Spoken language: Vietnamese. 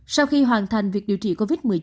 sau khi hoàn thành việc điều trị covid một mươi chín